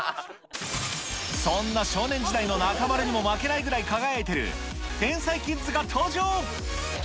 そんな少年時代の中丸にも負けないぐらい輝いてる天才キッズが登場。